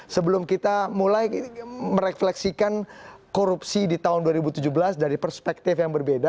sebelum kita mulai merefleksikan korupsi di tahun dua ribu tujuh belas dari perspektif yang berbeda